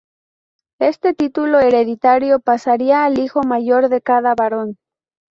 Este título hereditario pasaría al hijo mayor de cada barón.